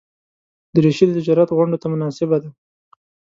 دریشي د تجارت غونډو ته مناسبه ده.